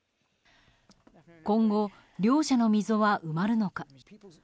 今後、両者の溝は埋まるのか。